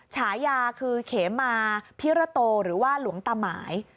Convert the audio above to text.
ฉายาคือเขมาพิระโตหรือว่าหลวงตาหมาย